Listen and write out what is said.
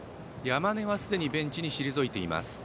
山根はすでにベンチに退いています。